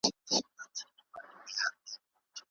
زموږ خپل کلتور او ارزښتونه ډېر بډايه دي.